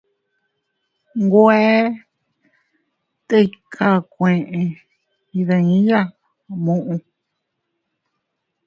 Nwe tikakue iydiya muʼu.